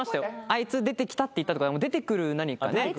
「あいつ出てきた」って言ったってことは出て来る何か。